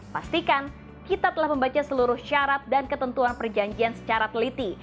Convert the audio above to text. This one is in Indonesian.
pastikan kita telah membaca seluruh syarat dan ketentuan perjanjian secara teliti